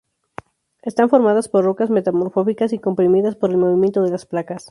Están formadas por rocas metamórficas y comprimidas por el movimiento de las placas.